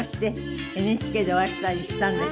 ＮＨＫでお会いしたりしたんですけども。